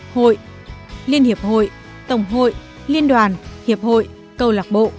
hội liên hiệp hội tổng hội liên đoàn hiệp hội câu lạc bộ